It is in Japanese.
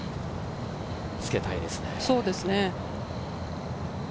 つけたいですね。